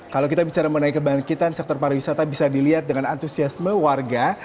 kalau kita bicara mengenai kebangkitan sektor pariwisata bisa dilihat dengan antusiasme warga